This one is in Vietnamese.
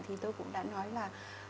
thì tôi cũng đã nói là